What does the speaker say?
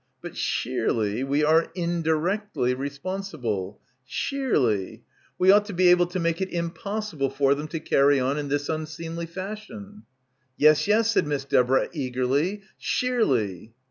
But sheerly we are indirectly responsible. Sheerly. We ought to be able to make it impossible for them to carry on in this unseemly fashion." — 104 — BACKWATER "Yes, yes," said Miss Deborah eagerly, "sheerly."